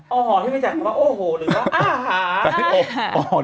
อ๋อที่ไม่จัดคำว่าโอโหหรือว่าอ้าหา